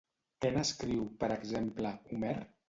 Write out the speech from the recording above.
Què n'escriu, per exemple, Homer?